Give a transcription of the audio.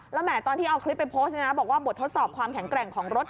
แล้วแหมตอนที่เอาคลิปไปโพสต์เนี่ยนะบอกว่าบททดสอบความแข็งแกร่งของรถ